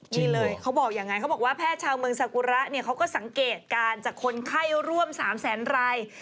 นี่เลยเขาบอกอย่างนั้นเขาบอกว่าแพทย์ชาวเมืองสากุระเนี่ยเขาก็สังเกตการณ์จากคนไข้ร่วม๓แสนราย